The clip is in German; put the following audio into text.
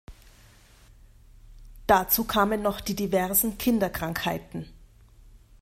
Dazu kamen noch die diversen Kinderkrankheiten.